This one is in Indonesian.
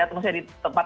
maksudnya di tempat